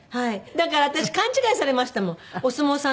だから私勘違いされましたもん。